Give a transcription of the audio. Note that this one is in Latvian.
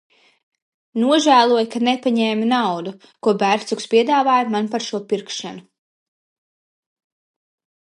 Nožēloju, ka nepaņēmu naudu, ko Bercuks piedāvāja man par šo pirkšanu.